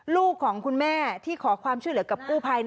ลูกของคุณแม่ที่ขอความช่วยเหลือกับกู้ภัย